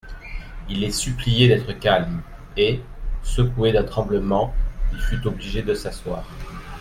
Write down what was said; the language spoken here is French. Il les suppliait d'être calmes ; et, secoué d'un tremblement, il fut obligé de s'asseoir.